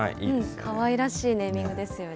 かわいらしいネーミングですよね。